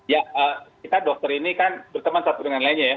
ya kita dokter ini kan berteman satu dengan lainnya ya